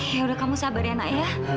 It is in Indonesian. ya udah kamu sabar ya nak ya